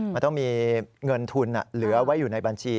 มันต้องมีเงินทุนเหลือไว้อยู่ในบัญชี